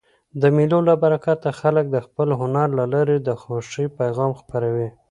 د مېلو له برکته خلک د خپل هنر له لاري د خوښۍ پیغام خپروي.